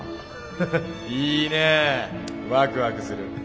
フフいいねえワクワクする。